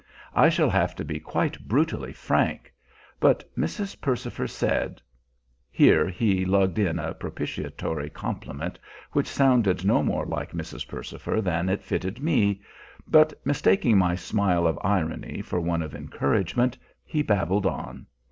I shall have to be quite brutally frank; but Mrs. Percifer said" Here he lugged in a propitiatory compliment, which sounded no more like Mrs. Percifer than it fitted me; but mistaking my smile of irony for one of encouragement, he babbled on.